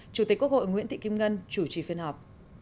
chủ tịch quốc hội nguyễn thị kim ngân chủ trì phiên họp